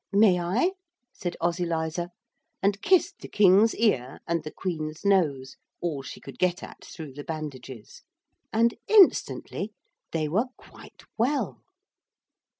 'May I?' said Ozyliza, and kissed the King's ear and the Queen's nose, all she could get at through the bandages. And instantly they were quite well.